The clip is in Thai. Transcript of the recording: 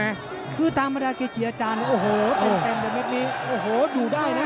อเจมส์คือตามประดาษเกจียจานโอ้โหเต็มแบบนี้โอ้โหอยู่ได้นะ